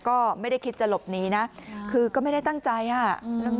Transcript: ก็ไม่ได้คิดจะหลบหนีนะคือก็ไม่ได้ตั้งใจอ่ะอืม